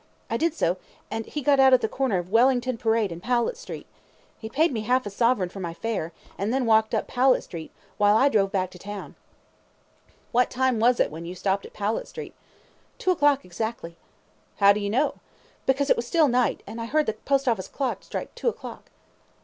I did so, and he got out at the corner of Wellington Parade and Powlett Street. He paid me half a sovereign for my fare, and then walked up Powlett Street, while I drove back to town. Q. What time was it when you stopped at Powlett Street? A. Two o'clock exactly. Q. How do you know? A. Because it was a still night, and I heard the Post Office clock strike two o'clock.